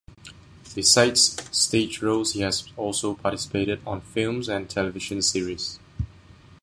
Besides stage roles he has also participated on films and television series.